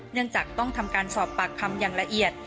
เนื่องจากต้องทำการสอบปากคำอย่างละเอียด